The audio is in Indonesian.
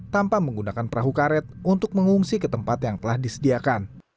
tanpa menggunakan perahu karet untuk mengungsi ke tempat yang telah disediakan